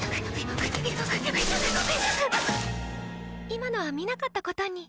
今のは見なかったことに。